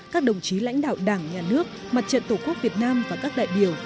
các đồng chí lãnh đạo đảng nhà nước mặt trận tổ quốc việt nam và các đại biểu